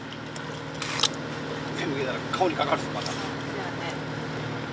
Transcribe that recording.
そやね。